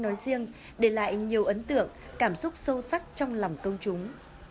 nói riêng để lại nhiều ấn tượng cảm xúc sâu sắc trong lòng công chúng